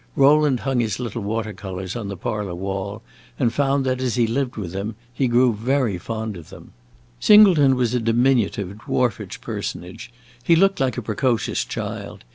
Rowland hung his little water colors on the parlor wall, and found that, as he lived with them, he grew very fond of them. Singleton was a diminutive, dwarfish personage; he looked like a precocious child.